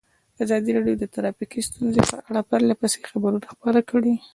ازادي راډیو د ټرافیکي ستونزې په اړه پرله پسې خبرونه خپاره کړي.